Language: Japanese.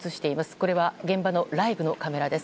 これは現場のライブのカメラです。